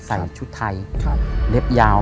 ใส่ชุดไทยเล็บยาว